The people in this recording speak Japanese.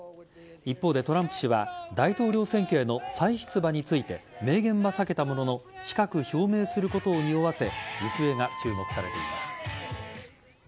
一方でトランプ氏は大統領選挙への再出馬について明言は避けたものの近く表明することをにおわせ行方が注目されています。